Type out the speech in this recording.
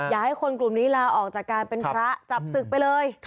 อยากให้คนกลุ่มนี้ลาออกจากการเป็นพระจับศึกไปเลย